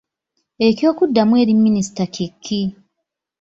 Eky'okuddamu eri minisita kye ki?